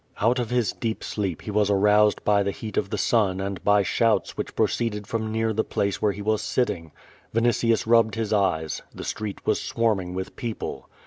Out of his deep sleep he was aroused by the heat of the, sun and by shouts which proceeded from near the place where he was sitting. Alnitius rubbed his eyes. The street was swarming with people.